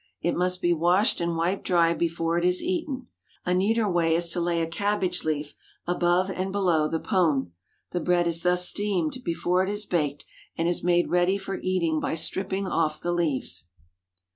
It must be washed and wiped dry before it is eaten. A neater way is to lay a cabbage leaf above and below the pone. The bread is thus steamed before it is baked, and is made ready for eating by stripping off the leaves.